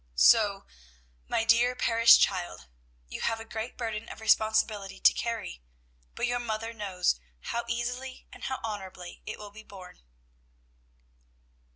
"So, my dear parish child, you have a great burden of responsibility to carry; but your mother knows how easily and how honorably it will be borne."